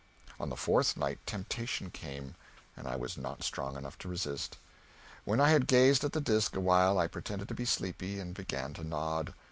On the fourth night temptation came, and I was not strong enough to resist. When I had gazed at the disk awhile I pretended to be sleepy, and began to nod.